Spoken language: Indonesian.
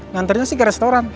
ngantarnya sih ke restoran